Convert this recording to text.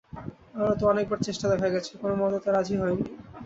আরো তো অনেকবার চেষ্টা দেখা গেছে, কোনোমতে তো রাজি হয় নি।